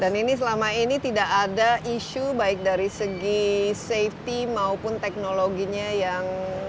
dan ini selama ini tidak ada isu baik dari segi safety maupun teknologinya yang